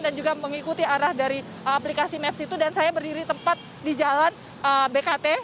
dan juga mengikuti arah dari aplikasi maps itu dan saya berdiri tempat di jalan bekati